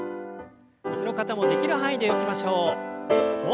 椅子の方もできる範囲で動きましょう。